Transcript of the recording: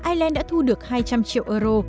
ireland đã thu được hai trăm linh triệu euro